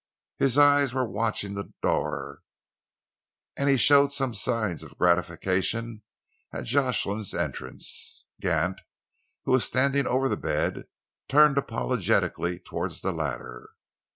His eyes were watching the door, and he showed some signs of gratification at Jocelyn's entrance. Gant, who was standing over the bed, turned apologetically towards the latter.